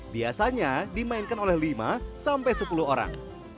biasanya dimainkan oleh lima sampai sepuluh orang